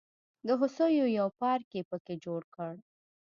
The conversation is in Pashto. د هوسیو یو پارک یې په کې جوړ کړ.